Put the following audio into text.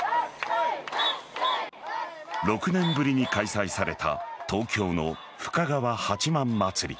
６年ぶりに開催された東京の深川八幡祭り。